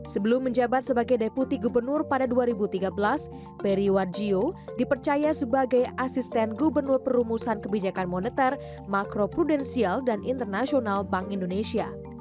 sebelum menjabat sebagai deputi gubernur pada dua ribu tiga belas peri warjio dipercaya sebagai asisten gubernur perumusan kebijakan moneter makro prudensial dan internasional bank indonesia